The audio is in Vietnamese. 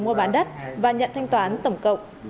mua bán đất và nhận thanh toán tổng cộng